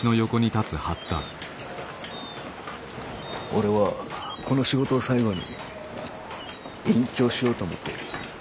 俺はこの仕事を最後に隠居しようと思っている。